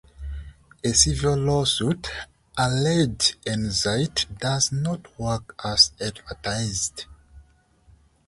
A civil lawsuit alleged Enzyte does not work as advertised.